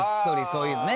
そういうのね。